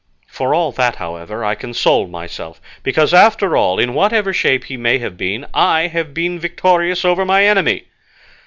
For all that, however, I console myself, because, after all, in whatever shape he may have been, I have victorious over my enemy."